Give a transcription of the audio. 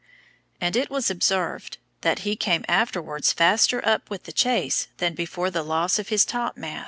And it was observed, that he came afterwards faster up with the chase than before the loss of his top masts.